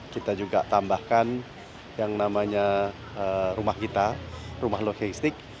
kita juga tambahkan yang namanya rumah kita rumah logistik